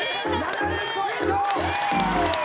７０ポイント！